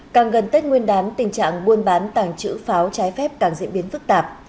càng gần tết nguyên đán tình trạng buôn bán tàng trữ pháo trái phép càng diễn biến phức tạp